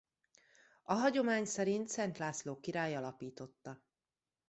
A hagyomány szerint Szent László király alapította.